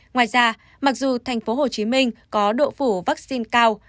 ngoài ra mặc dù tp hcm có độ phủ vaccine cao